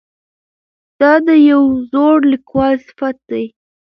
دا د یوه زړور لیکوال صفت دی.